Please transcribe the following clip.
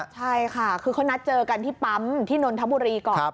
ใช่ค่ะคือเขานัดเจอกันที่ปั๊มที่นนทบุรีก่อน